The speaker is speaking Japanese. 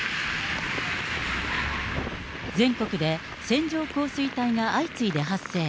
全国で線状降水帯が相次いで発生。